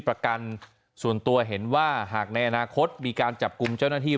ประกันส่วนตัวเห็นว่าหากในอนาคตมีการจับกลุ่มเจ้าหน้าที่